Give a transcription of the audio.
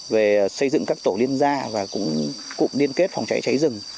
về xây dựng các tổ liên gia và cụm liên kết phòng cháy cháy rừng